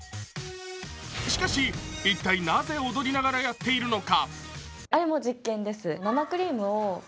しかし、一体なぜ踊りながらやっているのか。